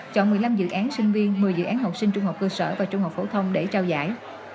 chọn một mươi năm dự án sinh viên một mươi dự án học sinh trung học cơ sở và trung học phổ thông để trao giải